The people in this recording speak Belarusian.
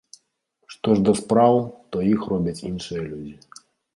Што ж да спраў, то іх робяць іншыя людзі.